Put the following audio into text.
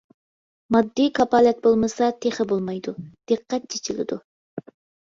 ماددىي كاپالەت بولمىسا تېخى بولمايدۇ، دىققەت چېچىلىدۇ.